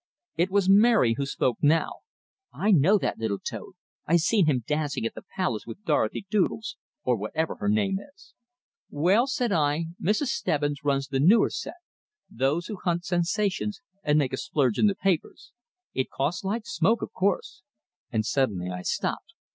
It was Mary who spoke now: "I know that little toad. I've seen him dancing at the Palace with Dorothy Doodles, or whatever her name is." "Well," said I, "Mrs. Stebbins runs the newer set those who hunt sensations, and make a splurge in the papers. It costs like smoke, of course " And suddenly I stopped.